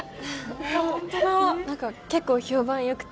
なんか結構評判良くて。